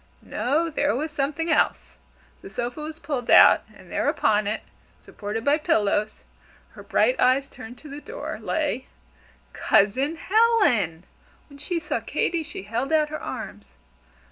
No, there was something else! The sofa was pulled out and there upon it, supported by pillows, her bright eyes turned to the door, lay Cousin Helen! When she saw Katy, she held out her arms.